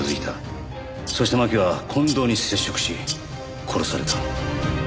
そして巻は近藤に接触し殺された。